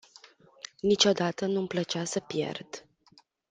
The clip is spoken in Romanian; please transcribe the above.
Niciodată nu-mi plăcea să pierd.